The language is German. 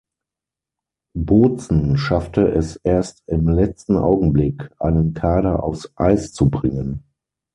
Bozen schaffte es erst im letzten Augenblick, einen Kader aufs Eis zu bringen.